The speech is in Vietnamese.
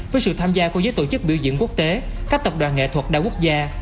với sự tham gia của giới tổ chức biểu diễn quốc tế các tập đoàn nghệ thuật đa quốc gia